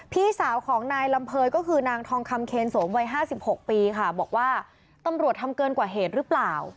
พี่สาวของนายลำเภยก็คือนางทองคำเคนโสมวัย๕๖ปีค่ะบอกว่าตำรวจทำเกินกว่าเหตุหรือเปล่า